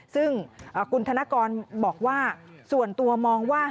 ซึ่งคุณธนกรบอกว่าส่วนตัวมองว่า